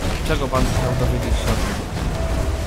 "Czego pan chciał dowiedzieć się od niej?"